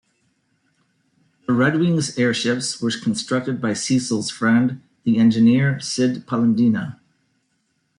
The Red Wings' airships were constructed by Cecil's friend, the engineer Cid Pollendina.